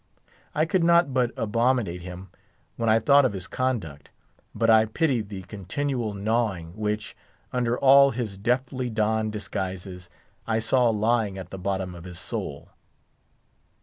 I could not but abominate him when I thought of his conduct; but I pitied the continual gnawing which, under all his deftly donned disguises, I saw lying at the bottom of his soul.